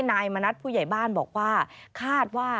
นายมณัฐผู้ใหญ่บ้านบอกว่า